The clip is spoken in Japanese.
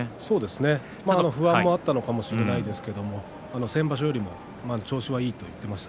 不安もあったかもしれませんけれど先場所よりも調子がいいということを言ってました。